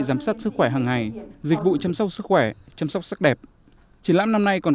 giám sát sức khỏe hàng ngày dịch vụ chăm sóc sức khỏe chăm sóc sắc đẹp triển lãm năm nay còn